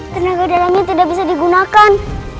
tenaga dalamnya tidak bisa digunakan